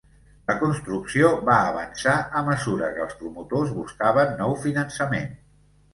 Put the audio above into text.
La construcció va avançar a mesura que els promotors buscaven nou finançament.